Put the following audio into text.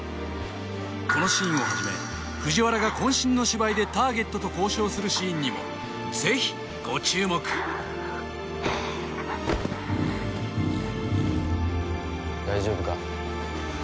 このシーンをはじめ藤原がこん身の芝居でターゲットと交渉するシーンにも是非ご注目大丈夫か？